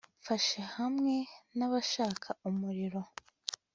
Mfashe hamwe nabashaka umuriro